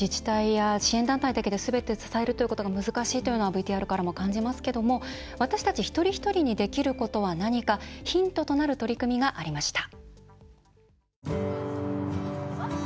自治体や支援団体だけですべて支えるのは難しいということはＶＴＲを見ても感じますけれども私たち一人一人にできることは何か、ヒントとなる取り組みがありました。